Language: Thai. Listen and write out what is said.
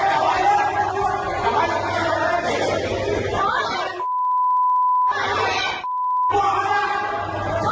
ด์ฟิ